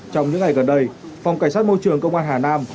trong những ngày gần đây phòng cảnh sát môi trường công an hà nam